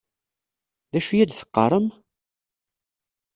D acu i ad teqqaṛem?